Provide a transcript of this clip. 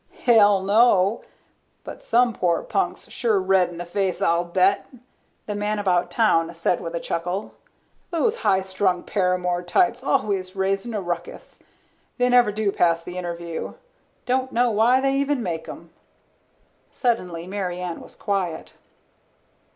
"Hell, no. But some poor punk's sure red in the face, I'll bet," the man about town said with a chuckle. "Those high strung paramour types always raising a ruckus. They never do pass the interview. Don't know why they even make 'em." Suddenly Mary Ann was quiet.